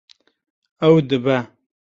Ew dibe.